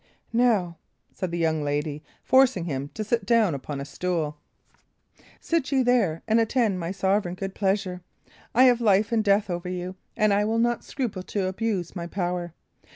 "Now," said the young lady, forcing him down upon a stool, "sit ye there and attend my sovereign good pleasure. I have life and death over you, and I will not scruple to abuse my power.